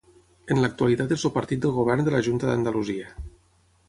En l'actualitat és el partit del govern de la Junta d'Andalusia.